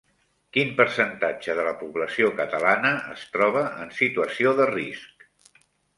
Quin percentatge de la població catalana es troba en situació de risc?